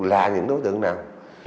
là những đối tượng nào